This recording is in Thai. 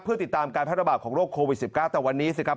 เพื่อติดตามการพัฒนาบาปของโรคโควิดสิบเก้าแต่วันนี้สิครับ